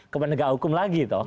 ke penegak hukum lagi